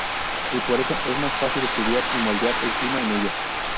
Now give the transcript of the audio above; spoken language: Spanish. Y por eso, es más fácil estudiar y modelar el clima en ellos.